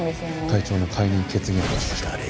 会長の解任決議案を出しましょう。